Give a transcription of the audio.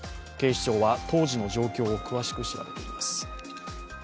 警視庁は当時の状況を詳しく調べています。